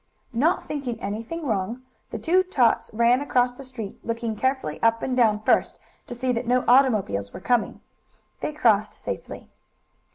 Not thinking anything wrong, the two tots ran across the street, looking carefully up and down first, to see that no automobiles were coming. They crossed safely.